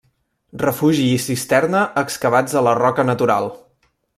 Refugi i cisterna excavats a la roca natural.